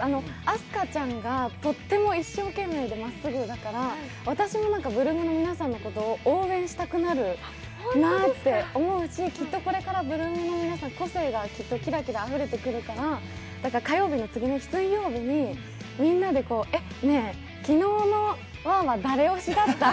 あす花ちゃんがとても真っ直ぐで一生懸命だから、私も８ＬＯＯＭの皆さんのことを応援したくなるなと思うし、きっとこれから８ＬＯＯＭの皆さん、個性がきっとキラキラあふれてくるから火曜日の次の日、水曜日にみんなで、えっ、ねえ、昨日の話は誰推しだった？って。